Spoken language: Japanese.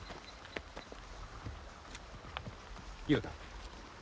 雄太。